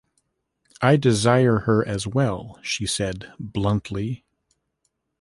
I desire her as well, she said bluntly.